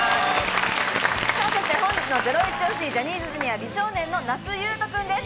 本日のゼロイチ推し、ジャニーズＪｒ．美少年の那須雄登君です。